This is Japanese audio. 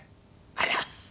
あら。